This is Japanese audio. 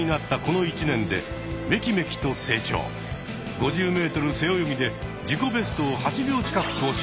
５０ｍ背泳ぎで自己ベストを８秒近く更新。